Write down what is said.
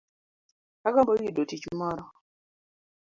Agombo yudo tich moro